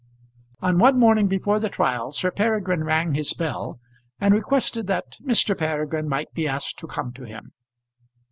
On one morning before the trial Sir Peregrine rang his bell and requested that Mr. Peregrine might be asked to come to him.